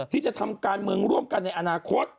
ที่จะทำการเมืองร่วมกันในอนาคต